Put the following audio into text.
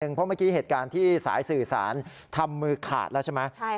เพราะเมื่อกี้เหตุการณ์ที่สายสื่อสารทำมือขาดแล้วใช่ไหม